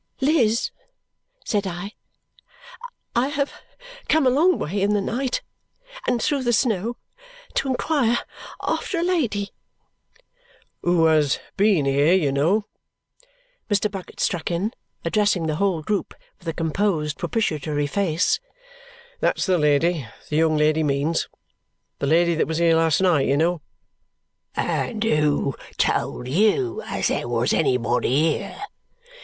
"Liz," said I, "I have come a long way in the night and through the snow to inquire after a lady " "Who has been here, you know," Mr. Bucket struck in, addressing the whole group with a composed propitiatory face; "that's the lady the young lady means. The lady that was here last night, you know." "And who told YOU as there was anybody here?"